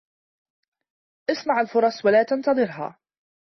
اصنع الفرص ولا تنتظرها